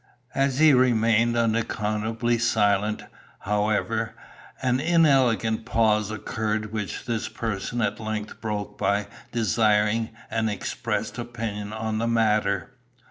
As he remained unaccountably silent, however, an inelegant pause occurred which this person at length broke by desiring an expressed opinion on the matter.